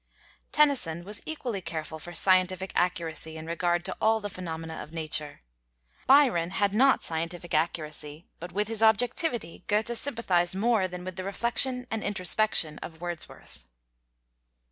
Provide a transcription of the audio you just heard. Tennyson was equally careful for scientific accuracy in regard to all the phenomena of nature. Byron had not scientific accuracy, but with his objectivity Goethe sympathized more than with the reflection and introspection of Wordsworth.